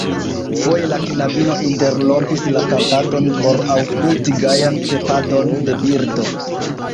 Foje la knabino interrompis la kantadon por aŭskulti gajan pepadon de birdo.